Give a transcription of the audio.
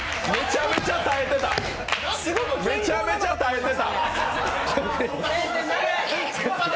めちゃめちゃ耐えてた！